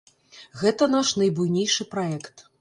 Гэта наш найбуйнейшы праект.